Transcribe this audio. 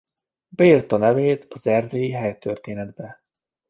Beírta nevét az erdélyi helytörténetbe.